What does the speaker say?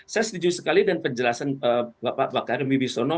saya setuju sekali dan penjelasan pak pakar mibisono